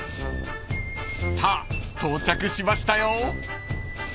［さあ到着しましたよ］